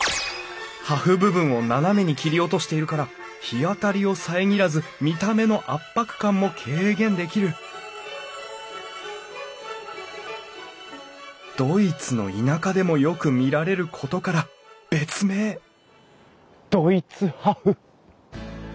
破風部分をななめに切り落としているから日当たりを遮らず見た目の圧迫感も軽減できるドイツの田舎でもよく見られることから別名ドイツ破風！